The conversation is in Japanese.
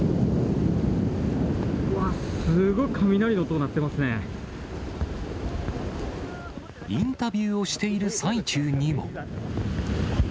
うわ、すごい雷の音、インタビューをしている最中にも。